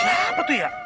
siapa tuh ya